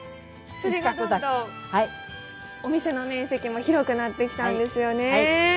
それがどんどんお店の面積も広くなってきたんですよね。